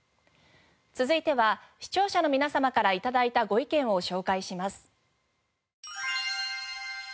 続いては視聴者の皆様から頂いたご意見を紹介します。